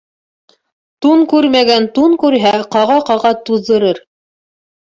Тун күрмәгән тун күрһә, ҡаға-ҡаға туҙҙырыр.